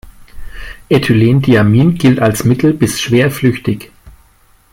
Ethylendiamin gilt als mittel bis schwer flüchtig.